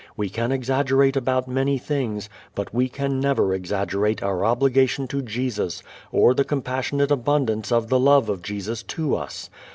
We can exaggerate about many things; but we can never exaggerate our obligation to Jesus, or the compassionate abundance of the love of Jesus to us.